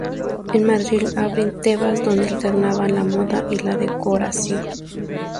En Madrid abren 'Tebas', donde alternaban la moda y la decoración.